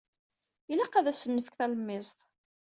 Ilaq ad asen-nefk talemmiẓt.